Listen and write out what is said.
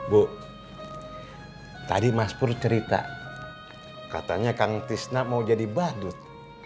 bu tadi mas pur cerita katanya kang tisna mau jadi badut